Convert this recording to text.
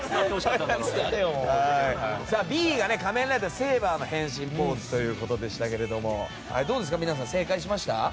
Ｂが「仮面ライダーセイバー」のポーズということでしたけどどうですか、皆さん正解しました？